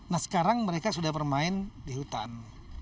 nah sekarang mereka sudah bermain di hutan